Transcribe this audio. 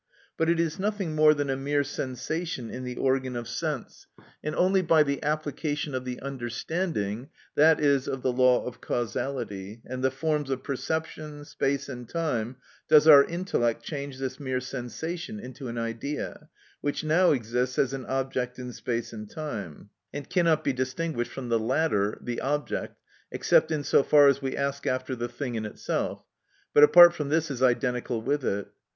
But it is nothing more than a mere sensation in the organ of sense, and only by the application of the understanding (i.e., of the law of causality) and the forms of perception, space and time, does our intellect change this mere sensation into an idea, which now exists as an object in space and time, and cannot be distinguished from the latter (the object) except in so far as we ask after the thing in itself, but apart from this is identical with it.